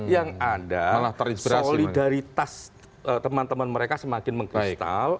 yang ada solidaritas teman teman mereka semakin mengkristal